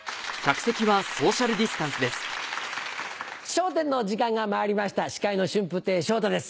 『笑点』の時間がまいりました司会の春風亭昇太です。